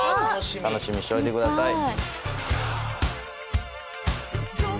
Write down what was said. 楽しみにしといてください。